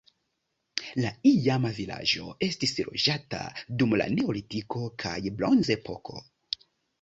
La iama vilaĝo estis loĝata dum la neolitiko kaj bronzepoko.